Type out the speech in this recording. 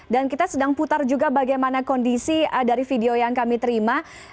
dan kita sedang putar juga bagaimana kondisi dari video yang kami terima